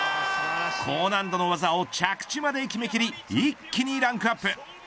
高難度技を着地まで決め切り一気にランクアップ。